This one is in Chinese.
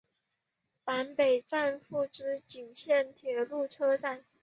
坂北站筱之井线铁路车站。